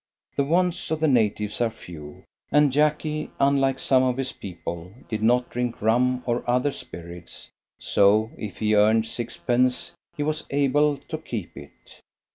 The wants of the natives are few; and Jacky, unlike some of his people, did not drink rum or other spirits, so if he earned sixpence he was able to keep it.